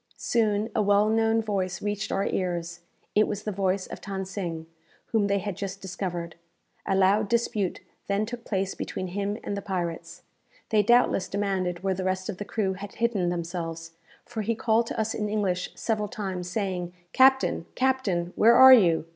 Soon a well known voice reached our ears. It was the voice of Than Sing, whom they had just discovered. A loud dispute then took place between him and the pirates. They doubtless demanded where the rest of the crew had hidden themselves; for he called to us in English several times, saying, "Captain, captain! where are you?